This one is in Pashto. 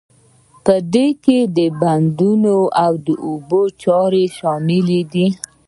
په دې کې بندونه او د اوبو چارې شاملې دي.